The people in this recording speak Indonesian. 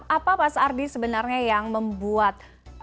apa mas ardi sebenarnya yang membuat